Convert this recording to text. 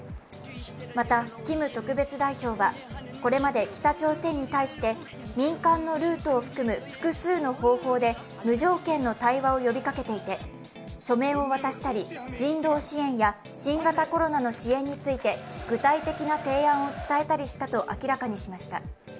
またキム特別代表はこれまで北朝鮮に対して民間のルートを含む複数の方法で無条件の対話を呼びかけていて書面を渡したり、人道支援や新型コロナの支援について具体的な提案を伝えたと明らかにしました。